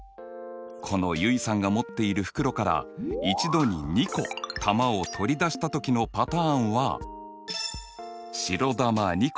この結衣さんが持っている袋から一度に２個球を取り出した時のパターンは白球２個。